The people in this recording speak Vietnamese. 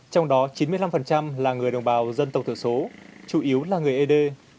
trong đó chín mươi năm là người đồng bào dân tộc thử số chủ yếu là người ấy đê